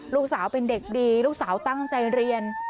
ลูกสาวเป็นเด็กดีลูกสาวตั้งใจเรียน